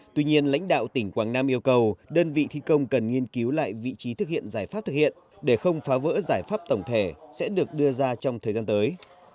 tuy nhiên lãnh đạo tỉnh quảng nam yêu cầu đơn vị thi công cần nghiên cứu lại vị trí thực hiện giải pháp thực hiện để không phá vỡ giải pháp tổng thể sẽ được đưa ra trong thời gian tới